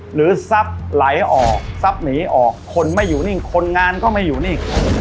หรือทรัพย์ไหลออกทรัพย์หนีออกคนไม่อยู่นิ่งคนงานก็ไม่อยู่นิ่ง